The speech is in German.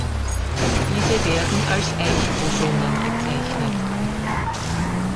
Diese werden als Eichbosonen bezeichnet.